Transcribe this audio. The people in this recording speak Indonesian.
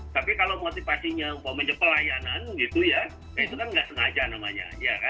tapi kalau motivasinya umpamanya pelayanan gitu ya itu kan nggak sengaja namanya